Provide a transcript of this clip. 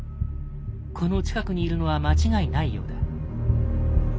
この近くにいるのは間違いないようだ。